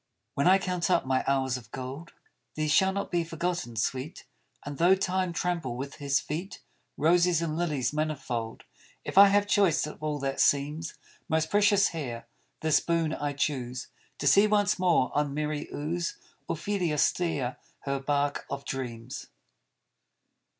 When I count up my hours of gold, These shall not be forgotten, sweet ; And though Time trample with his feet Roses and lilies manifold If I have choice of all that seems Most precious here, this boon I choose, To see once more on merry Ouse Ophelia steer her bark of dreams.